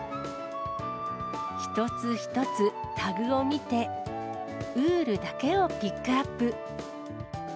一つ一つタグを見て、ウールだけをピックアップ。